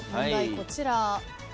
こちら。